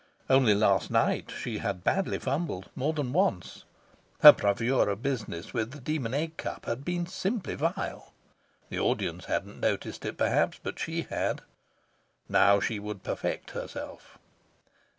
Only last night she had badly fumbled, more than once. Her bravura business with the Demon Egg Cup had been simply vile. The audience hadn't noticed it, perhaps, but she had. Now she would perfect herself.